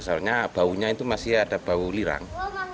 soalnya baunya itu masih ada bau lirang